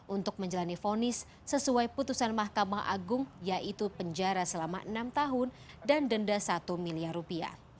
untuk menjalani fonis sesuai putusan mahkamah agung yaitu penjara selama enam tahun dan denda satu miliar rupiah